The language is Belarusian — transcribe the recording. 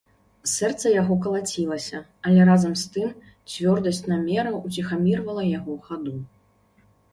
Сэрца яго калацілася, але разам з тым цвёрдасць намераў уціхамірвала яго хаду.